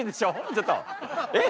ちょっとえっ？